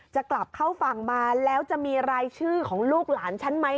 จะกลับเข้าฝั่งมาแล้วจะมีรายชื่อของลูกหลานฉันไหม